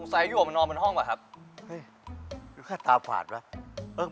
คงจะใส่อ้ายหัวมานอนคนห้องก่อนครับ